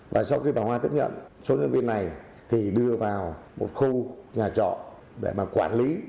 và sau khi bà hoa tiếp nhận số nhân viên này thì đưa vào một khu nhà trọ để mà quản lý